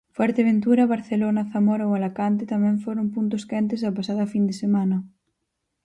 Fuerteventura, Barcelona, Zamora ou Alacante tamén foron puntos quentes a pasada fin de semana.